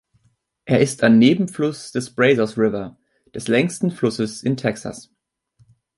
Er ist ein Nebenfluss des Brazos River, des längsten Flusses in Texas.